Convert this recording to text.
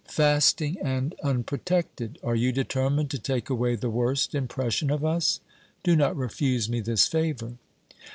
'Fasting and unprotected! Are you determined to take away the worst impression of us? Do not refuse me this favour.'